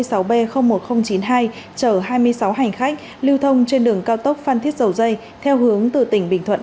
chở hai mươi sáu hành khách lưu thông trên đường cao tốc phan thiết dầu dây theo hướng từ tỉnh bình thuận